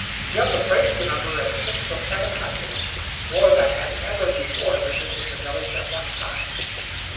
Jim appraised the number at six or seven hundred, more than had ever before visited the village at one time.